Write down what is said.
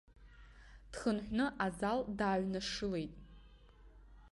Дхынҳәны азал дааҩнашылеит.